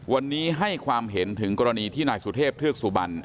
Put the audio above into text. วันนี้ให้ความเห็นถึงกรณีที่นายสุเทพเทือกสุบัน